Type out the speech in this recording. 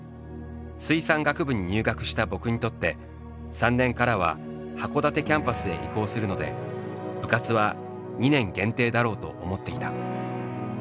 水産学部に入学した僕にとって３年からは函館キャンパスへ移行するので部活は２年限定だろうと思っていた。